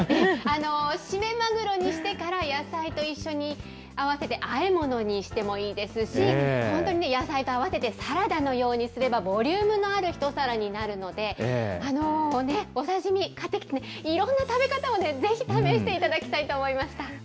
シメマグロにしてから野菜と一緒に合わせて、あえものにしてもいいですし、本当に野菜と合わせてサラダのようにすれば、ボリュームのある一皿になるので、お刺身、買ってきて、いろんな食べ方をぜひ試していただきたいと思いました。